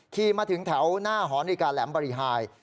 ขี่มาถึงแถวหน้าหอนาฬิกาแหลมบริหาย